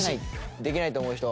できないと思う人。